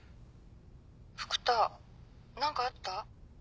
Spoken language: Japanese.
福多何かあった？